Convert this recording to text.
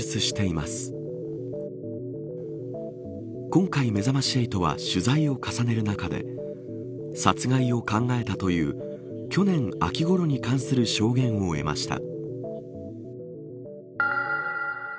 今回めざまし８は取材を重ねる中で殺害を考えたという去年秋ごろに関する証言を得ました。